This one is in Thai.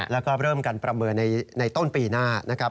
และก็เริ่มการประเมินในต้นปีหน้า